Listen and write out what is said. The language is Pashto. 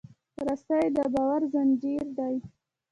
رسۍ د باور زنجیر دی.